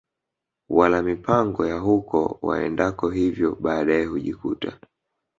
wala mipango ya huko waendako hivyo baadae hujikuta